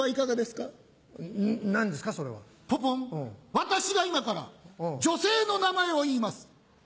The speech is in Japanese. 私が今から女性の名前を言います。